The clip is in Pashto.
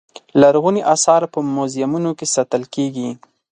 لرغوني اثار په موزیمونو کې ساتل کېږي.